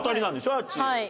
あっち。